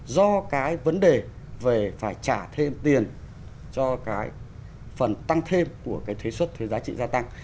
do cái vấn đề về phải trả thêm tiền cho cái phần tăng thêm của cái thuế xuất thuế giá trị gia tăng